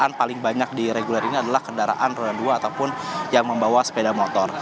yang paling banyak di reguler ini adalah kendaraan roda dua ataupun yang membawa sepeda motor